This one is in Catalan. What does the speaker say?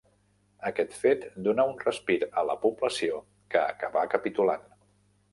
Aquest fet donà un respir a la població que acabà capitulant.